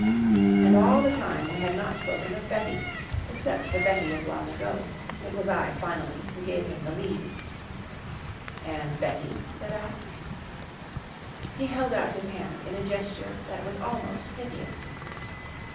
And all the time we had not spoken of Betty except the Betty of long ago. It was I, finally, who gave him the lead. "And Betty?" said I. He held out his hand in a gesture that was almost piteous.